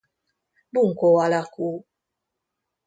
Bunkó alakú.